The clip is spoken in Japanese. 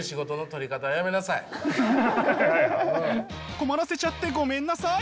困らせちゃってごめんなさい！